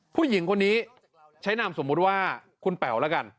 ผู้หญิงคนนี้ใช้นามสมมุติว่าคุณแป๋วแล้วกัน